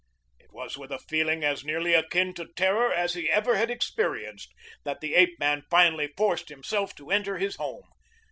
It was with a feeling as nearly akin to terror as he ever had experienced that the ape man finally forced himself to enter his home.